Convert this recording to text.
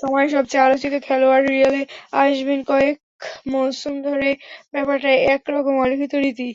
সময়ের সবচেয়ে আলোচিত খেলোয়াড় রিয়ালে আসবেন, কয়েক মৌসুম ধরে ব্যাপারটা একরকম অলিখিত রীতিই।